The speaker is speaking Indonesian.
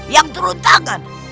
yang turut tangan